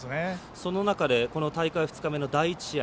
その中で、大会２日目の第１試合。